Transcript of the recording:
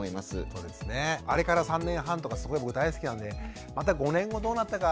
あれから３年半とかすごい僕大好きなんでまた５年後どうなったか。